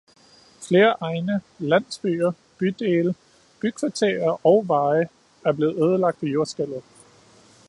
Flere egne, landsbyer, bydele, bykvarterer og veje er blevet ødelagt af jordskælvet.